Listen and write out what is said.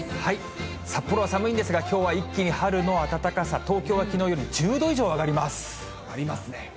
札幌は寒いんですが、きょうは一気に春の暖かさ、東京はきのうより１０度以上上がります。